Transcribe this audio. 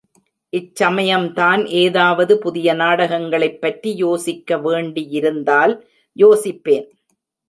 இச்சமயம்தான் ஏதாவது புதிய நாடகங்களைப் பற்றி யோசிக்க வேண்டியிருந்தால் யோசிப்பேன்.